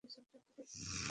হারিয়েছি, হারিয়েছি।